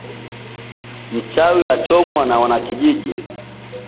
Mchawi alichomwa na wanakijiji